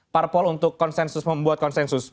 parpol untuk konsensus membuat konsensus